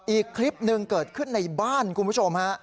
อีกคลิปหนึ่งเกิดขึ้นในบ้านคุณผู้ชมฮะ